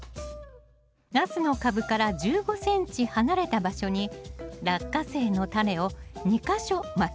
ナスの株から１５ｃｍ離れた場所にラッカセイのタネを２か所まきます。